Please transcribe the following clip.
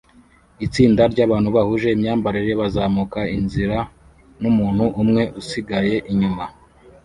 Itsinda ryabantu bahuje imyambarire bazamuka inzira numuntu umwe usigaye inyuma